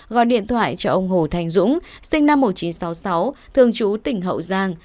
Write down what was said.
gọi điện thoại cho ông hồ thành dũng sinh năm một nghìn chín trăm sáu mươi sáu thường chú tỉnh hậu giang